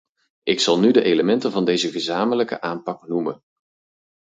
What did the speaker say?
Ik zal nu de elementen van deze gezamenlijke aanpak noemen.